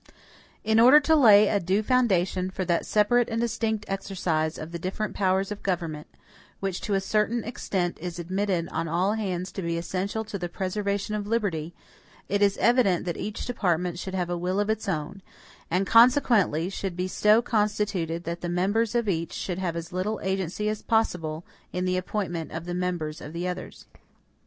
In order to lay a due foundation for that separate and distinct exercise of the different powers of government, which to a certain extent is admitted on all hands to be essential to the preservation of liberty, it is evident that each department should have a will of its own; and consequently should be so constituted that the members of each should have as little agency as possible in the appointment of the members of the others.